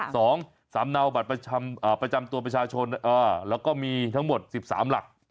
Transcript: สองสามเนาบัตรประจำตัวประชาชนแล้วก็มีทั้งหมดสิบสามหลัก